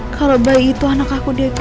kalau bayi itu anak aku diego